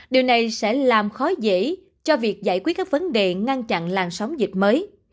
điều này sẽ làm khó dễ cho việc giải quyết các vấn đề ngăn chặn làn sóng dịch mới